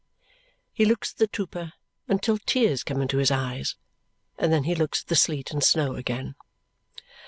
He looks at the trooper until tears come into his eyes, and then he looks at the sleet and snow again.